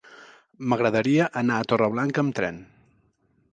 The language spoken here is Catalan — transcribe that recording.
M'agradaria anar a Torreblanca amb tren.